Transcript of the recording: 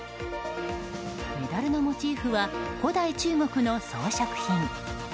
メダルのモチーフは古代中国の装飾品。